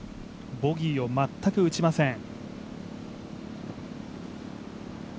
ボギーを全く打ちません。